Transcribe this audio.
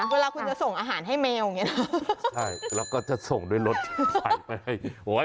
เวลาคุณจะส่งอาหารให้แมวอย่างนี้นะใช่เราก็จะส่งด้วยรถไฟไปให้